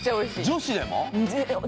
女子でも？